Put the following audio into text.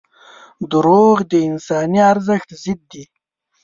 • دروغ د انساني ارزښت ضد دي.